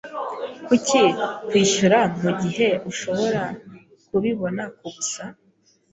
Kuki kwishyura mugihe ushobora kubibona kubusa?